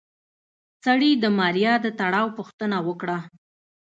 سړي د ماريا د تړاو پوښتنه وکړه.